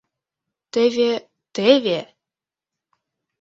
«Теве, теве!